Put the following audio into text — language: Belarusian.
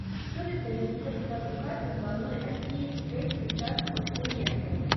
Сёлета міністэрства адукацыі плануе адсеяць трэцюю частку абітурыентаў.